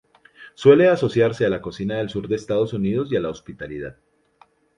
Suele asociarse a la cocina del sur de Estados Unidos y a la hospitalidad.